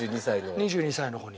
２２歳の子に。